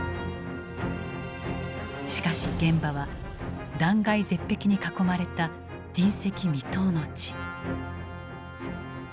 しかし現場は断崖絶壁に囲まれた人跡未踏の地。